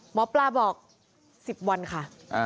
หมอปลาบอก๑๐วันค่ะ